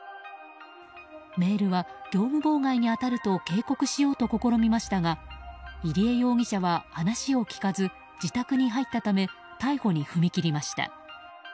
メールは業務妨害に当たると警告しようと試みましたが入江容疑者は話を聞かず自宅に入ったため逮捕に踏み切りました。